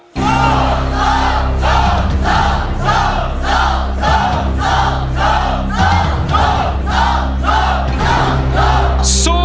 สู้สู้สู้สู้